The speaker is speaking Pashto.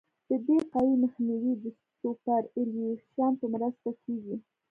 د دې قوې مخنیوی د سوپرایلیویشن په مرسته کیږي